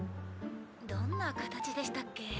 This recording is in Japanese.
・どんな形でしたっけ。